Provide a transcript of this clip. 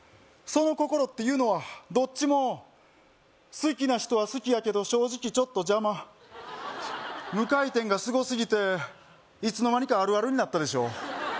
その心っていうのはどっちも好きな人は好きやけど正直ちょっと邪魔無回転がすごすぎていつのまにかあるあるになったでしょ